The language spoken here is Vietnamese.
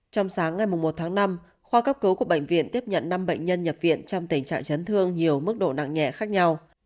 trong sáng ngày một tháng năm khoa cấp cứu của bệnh viện tiếp nhận năm bệnh nhân nhập viện trong tình trạng chấn thương nhiều mức độ nặng nhẹ khác nhau